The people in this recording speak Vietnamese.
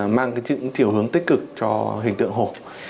mang những chiều hướng tích cực cho hình tượng hổ